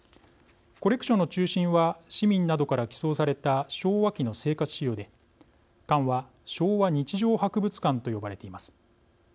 コレクションの中心は市民などから寄贈された昭和期の生活資料で館は、昭和日常博物館と呼ばれています。